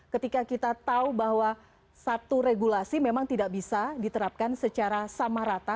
ketika kita tahu bahwa satu regulasi memang tidak bisa diterapkan secara sama rata